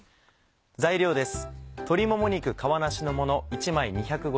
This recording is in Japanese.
材料です。